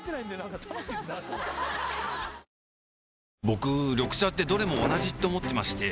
僕緑茶ってどれも同じって思ってまして